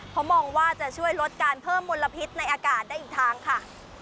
เพราะมองว่าจะช่วยลดการเพิ่มมลพิษในอากาศได้อีกทางค่ะ